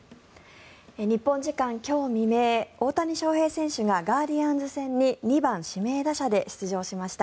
日本時間今日未明大谷翔平選手がガーディアンズ戦に２番指名打者で出場しました。